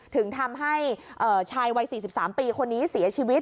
ถึงทำให้ชายวัย๔๓ปีคนนี้เสียชีวิต